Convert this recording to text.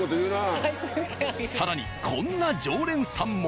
更にこんな常連さんも。